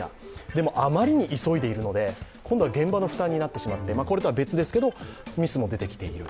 でも、あまりに急いでいるので今度は現場の負担になってしまって、これとは別ですけど、ミスも出てきている。